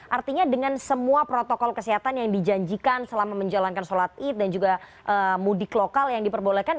artinya dengan semua protokol kesehatan yang dijanjikan selama menjalankan sholat id dan juga mudik lokal yang diperbolehkan